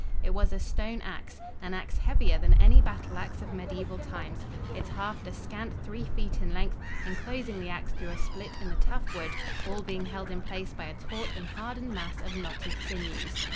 It was a stone ax; an ax heavier than any battle ax of mediaeval times, its haft a scant three feet in length, inclosing the ax through a split in the tough wood, all being held in place by a taut and hardened mass of knotted sinews.